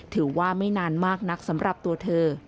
ถือว่าไม่นานมากนักสำหรับตัวเธอ